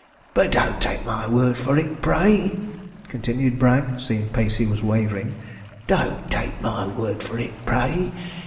But don't take my word for it, pray,' continued Bragg, seeing Pacey was wavering; 'don't take my word for it, pray.